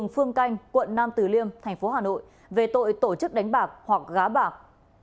phương canh quận nam tử liêm tp hà nội về tội tổ chức đánh bạc hoặc gá bạc